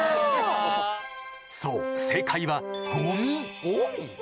そう正解はゴミ。